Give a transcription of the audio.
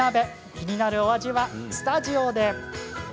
気になるお味は、スタジオで。